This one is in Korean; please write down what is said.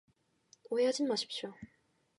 오해하진 마십시오.